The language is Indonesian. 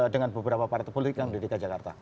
dengan beberapa partai politik yang dididik di jakarta